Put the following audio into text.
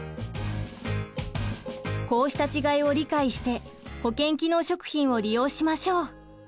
こうした違いを理解して保健機能食品を利用しましょう。